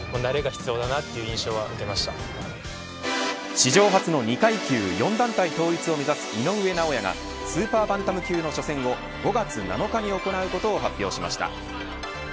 史上初の２階級４団体統一を目指す井上尚弥がスーパーバンタム級の初戦を５月７日に行うことを発表しました。